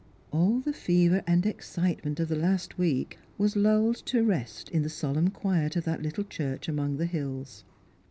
All the fever and excitement of the last week was lulled to rest in the solemn quiet of that little church among the hills.